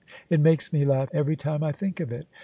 It makes me laugh every time I think of it.